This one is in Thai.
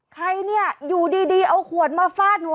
ใครเนี่ยอยู่ดีเอาขวดมาฟาดหัว